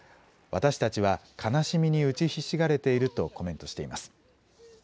私たちは悲しみに打ちひしがれているとコメントしています。